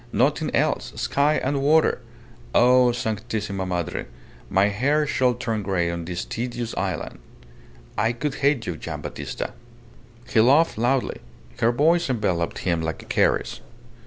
Nothing else. Sky and water. Oh, Sanctissima Madre. My hair shall turn grey on this tedious island. I could hate you, Gian' Battista!" He laughed loudly. Her voice enveloped him like a caress.